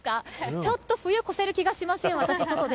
ちょっと冬越せる気がしません。